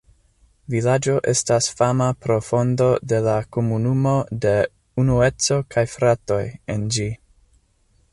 Vilaĝo estas fama pro fondo de la komunumo de "Unueco de fratoj" en ĝi.